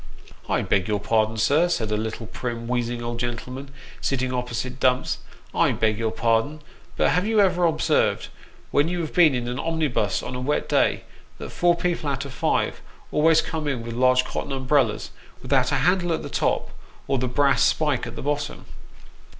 " I beg your pardon, sir," said a little prim, wheezing old gentle man, sitting opposite Dumps, " I beg your pardon ; but have you ever observed, when you have been in an omnibus on a wet day, that four people out of five always come in with large cotton umbrellas, without a handle at the top, or the brass spike at the bottom